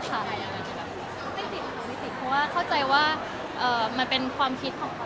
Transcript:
เพราะว่าเข้าใจว่ามันเป็นความคิดของผู้